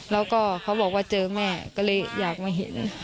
แล้วก็เขาบอกว่าเจอแม่ก็เลยอยากมาเห็น